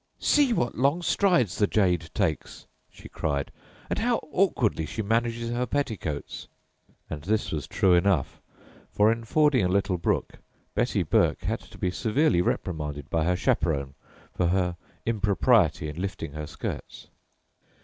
"See what long strides the jade takes!" she cried; "and how awkwardly she manages her petticoats!" And this was true enough, for in fording a little brook "Betty Burke" had to be severely reprimanded by her chaperon for her impropriety in lifting her skirts!